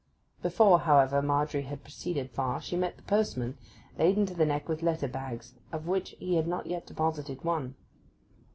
Before, however, Margery had proceeded far, she met the postman, laden to the neck with letter bags, of which he had not yet deposited one.